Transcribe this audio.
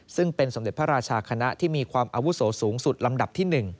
ซึ่งเป็นสมเด็จพระราชาคณะที่มีความอาวุโสสูงสุดลำดับที่๑